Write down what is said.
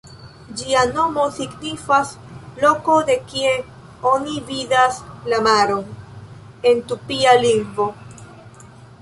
Ĝia nomo signifas "loko de kie oni vidas la maron" en tupia lingvo.